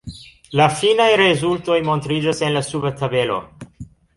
La finaj rezultoj montriĝas en la suba tabelo.